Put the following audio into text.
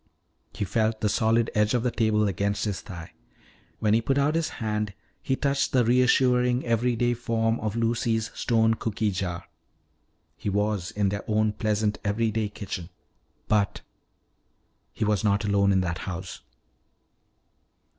He felt the solid edge of the table against his thigh. When he put out his hand he touched the reassuring everyday form of Lucy's stone cooky jar. He was in their own pleasant everyday kitchen. But He was not alone in that house!